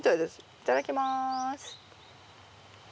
いただきます。